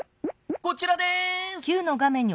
こちらです。